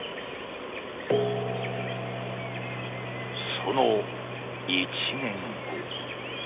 その１年後。